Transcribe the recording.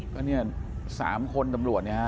ก็เนี่ย๓คนตำรวจเนี่ยฮะ